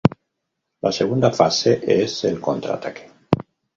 La segunda fase es el contraataque.